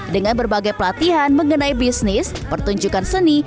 dengan berbagai pelatihan mengenai bisnis pertunjukan seni